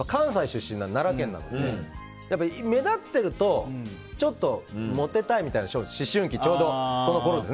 奈良県出身なので目立っているとちょっとモテたいみたいな思春期、ちょうどこのころ。